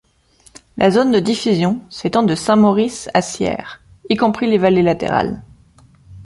La zone de diffusion s'étend de Saint-Maurice à Sierre, y compris les vallées latérales.